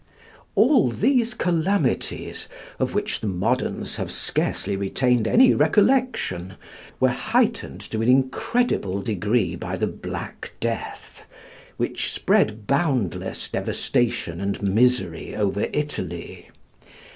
All these calamities, of which the moderns have scarcely retained any recollection, were heightened to an incredible degree by the Black Death, which spread boundless devastation and misery over Italy.